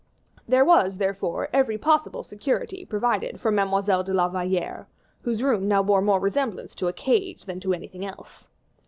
There was, therefore, every possible security provided for Mademoiselle de la Valliere, whose room now bore more resemblance to a cage than to anything else.